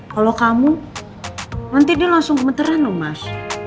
kalau kamu nanti dia langsung kemeteran loh mas